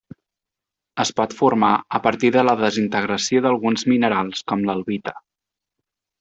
Es pot formar a partir de la desintegració d'alguns minerals com l'albita.